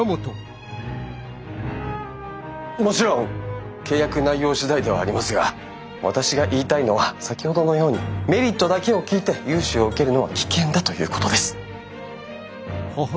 もちろん契約内容次第ではありますが私が言いたいのは先ほどのようにメリットだけを聞いて融資を受けるのは危険だということです！